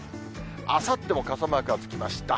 あさっても傘マークがつきました。